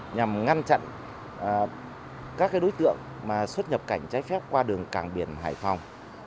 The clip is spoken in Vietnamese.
nhằm ngăn chặn các đối tượng xuất nhập cảnh trái phép qua đường cảng biển hải phòng